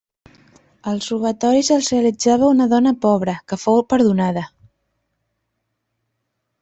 Els robatoris els realitzava una dona pobra, que fou perdonada.